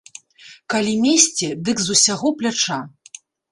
Калі месці, дык з усяго пляча.